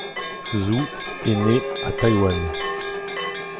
Zhou et né à Taïwan.